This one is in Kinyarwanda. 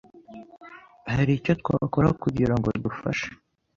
Hari icyo twakora kugirango dufashe?